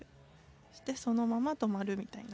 そしてそのまま止まるみたいな。